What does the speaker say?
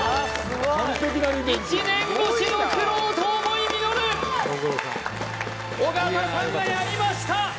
１年越しの苦労と思い実る緒方さんがやりました